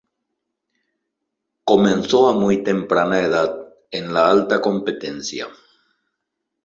Comenzó a muy temprana edad en la alta competencia.